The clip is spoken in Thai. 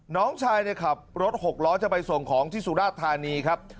น้องชายขับรถหกล้อจะไปส่งของที่สุราชธานีครับ